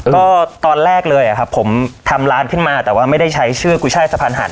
ก็ตอนแรกเลยอะครับผมทำร้านขึ้นมาแต่ว่าไม่ได้ใช้ชื่อกุช่ายสะพานหัน